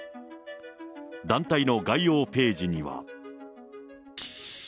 団体の概要ページには。